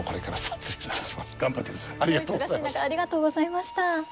お忙しい中ありがとうございました。